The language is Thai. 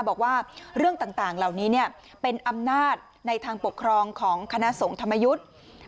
บอกว่าเรื่องต่างเหล่านี้เป็นอำนาจในทางปกครองของคณะสงฆ์ธรรมยุทธ์